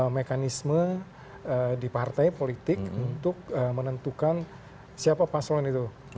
mekanisme di partai politik untuk menentukan siapa paslon itu